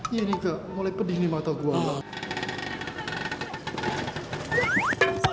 iya nih kak mulai pedih nih mata gue allah